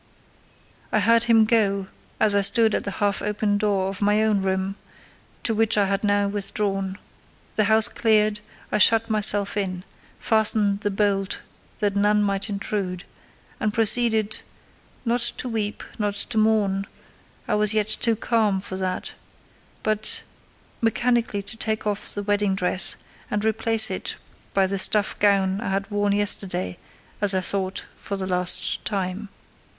I heard him go as I stood at the half open door of my own room, to which I had now withdrawn. The house cleared, I shut myself in, fastened the bolt that none might intrude, and proceeded—not to weep, not to mourn, I was yet too calm for that, but—mechanically to take off the wedding dress, and replace it by the stuff gown I had worn yesterday, as I thought, for the last time.